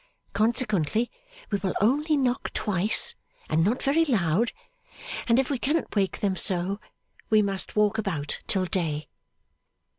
Consequently, we will only knock twice, and not very loud; and if we cannot wake them so, we must walk about till day.